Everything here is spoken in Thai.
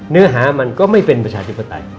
เนื้อหามันก็ไม่เป็นประชาธิปไตย